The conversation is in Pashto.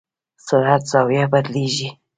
سرعت زاویه بدلېږي.